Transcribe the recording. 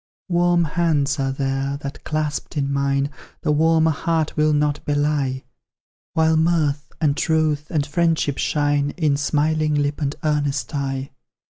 Warm hands are there, that, clasped in mine, The warmer heart will not belie; While mirth, and truth, and friendship shine In smiling lip and earnest eye.